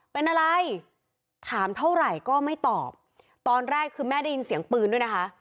เป็นอะไรถามเท่าไหร่ก็ไม่ตอบตอนแรกคือแม่ได้ยินเสียงปืนด้วยนะคะ